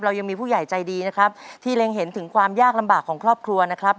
ยังมีผู้ใหญ่ใจดีนะครับที่เล็งเห็นถึงความยากลำบากของครอบครัวนะครับ